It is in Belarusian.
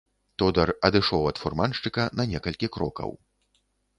Тодар адышоў ад фурманшчыка на некалькі крокаў.